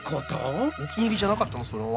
お気に入りじゃなかったの？